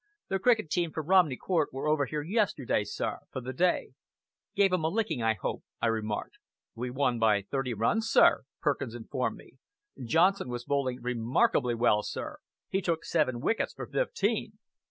"The cricket team from Romney Court were over here yesterday, sir, for the day." "Gave 'em a licking, I hope?" I remarked. "We won by thirty runs, sir," Perkins informed me. "Johnson was bowling remarkably well, sir. He took seven wickets for fifteen!"